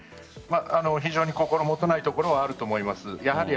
非常に心もとないところはあると思います、やはり。